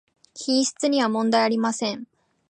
品質にはもんだいありません